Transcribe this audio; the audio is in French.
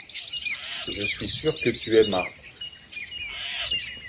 Je suis sûr que tu aimas.